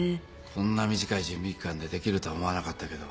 こんな短い準備期間でできるとは思わなかったけど。